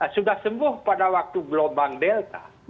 sudah sembuh pada waktu gelombang delta